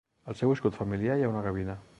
Al seu escut familiar hi ha una gavina.